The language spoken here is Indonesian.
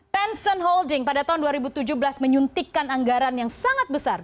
tencent holding pada tahun dua ribu tujuh belas menyuntikkan anggaran yang sangat besar